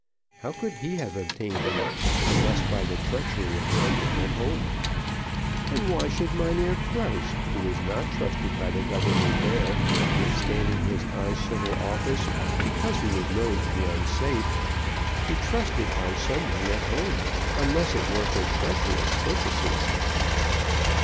How could he have obtained them unless by the treachery of some one at home; and why should Mynheer Krause, who was not trusted by the government there, notwithstanding his high civil office, because he was known to be unsafe, be trusted by some one at home, unless it were for treacherous purposes?